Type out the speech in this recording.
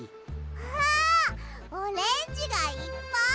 わオレンジがいっぱい！